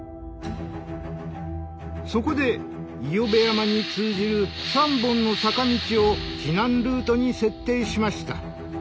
そこで伊与部山に通じる３本の坂道を避難ルートに設定しました。